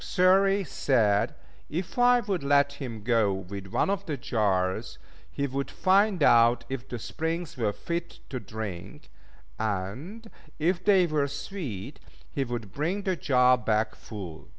Xury said if I would let him go with one of the jars, he would find out if the springs were fit to drink; and, if they were sweet, he would bring the jar back full.